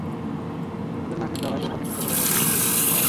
তোদের নাকের ডগায় বোমা রেখে চলে গেলো বিয়েতে এসেছিস তোরা?